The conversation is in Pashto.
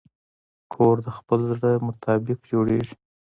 کور د خپل زړه مطابق جوړېږي.